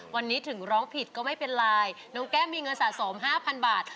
วันนี้ถึงร้องผิดก็ไม่เป็นไรน้องแก้มมีเงินสะสม๕๐๐๐บาท